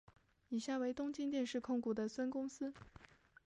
以下为东京电视控股的孙公司。